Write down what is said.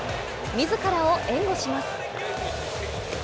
自らを援護します。